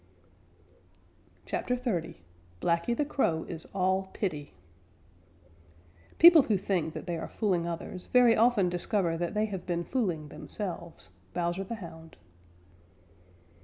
CHAPTER XXX BLACKY THE CROW IS ALL PITY People who think that they are fooling others very often discover that they have been fooling themselves. _Bowser the Hound.